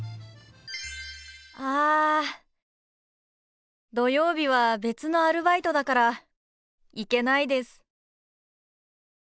あ土曜日は別のアルバイトだから行けないです。